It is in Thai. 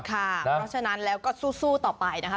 เพราะฉะนั้นแล้วก็สู้ต่อไปนะคะ